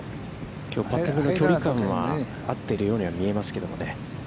きょうパッティングの距離感は合ってるように見えますけどね。